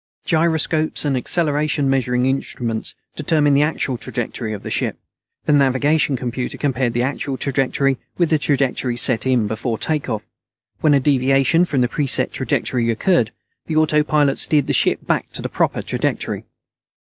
Gyroscopes and acceleration measuring instruments determined the actual trajectory of the ship; the navigation computer compared the actual trajectory with the trajectory set in before take off; when a deviation from the pre set trajectory occurred, the autopilot steered the ship back to the proper trajectory.